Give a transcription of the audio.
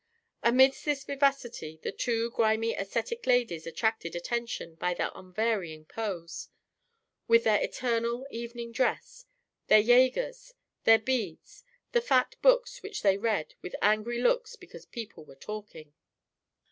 Amidst this vivacity the two grimy æsthetic ladies attracted attention by their unvarying pose, with their eternal evening dress, their Jaegers, their beads, the fat books which they read, their angry looks because people were talking.